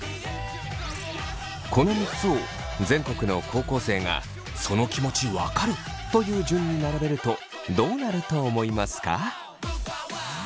この３つを全国の高校生が「その気持ち分かる！」という順に並べるとどうなると思いますか？